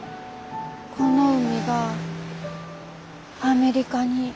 この海がアメリカに。